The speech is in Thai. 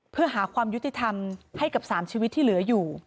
เพื่อหาความยุติธรรมให้กับ๓ชีวิตที่เหลืออยู่